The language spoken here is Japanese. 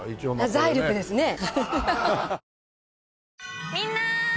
財力ですね！